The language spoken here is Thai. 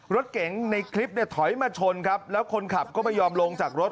รถเก๋งในคลิปเนี่ยถอยมาชนครับแล้วคนขับก็ไม่ยอมลงจากรถ